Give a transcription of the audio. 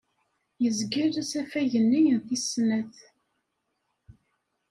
Yezgel asafag-nni n tis snat.